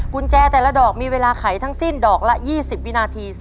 กุญแจแต่ละดอกมีเวลาไขทั้งสิ้นดอกละ๒๐วินาที